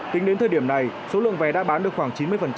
tính đến thời điểm này số lượng vé đã bán được khoảng chín mươi